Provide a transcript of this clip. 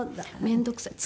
面倒くさい。